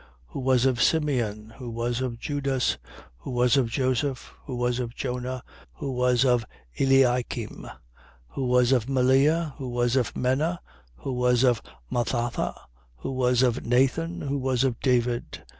Who was of Simeon, who was of Judas, who was of Joseph, who was of Jona, who was of Eliakim, 3:31. Who was of Melea, who was of Menna, who was of Mathatha, who was of Nathan, who was of David, 3:32.